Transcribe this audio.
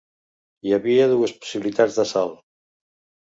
Hi havia dues possibilitats d'assalt.